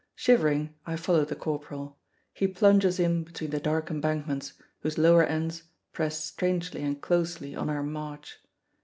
Shivering, I follow the corporal; he plunges in between the dark embankments whose lower ends press strangely and closely on our march.